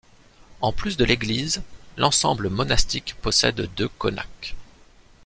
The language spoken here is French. En plus de l'église, l'ensemble monastique possède deux konaks.